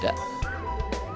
mereka juga bisa membuat vlog